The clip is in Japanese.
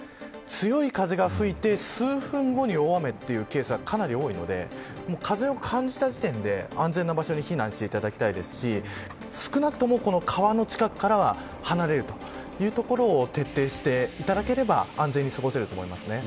強い風が吹いて数分後に大雨というケースがかなり多いので風を感じた時点で安全な場所に避難していただきたいですし少なくとも川の近くからは離れるというところを徹底していただければ安全に過ごせると思います。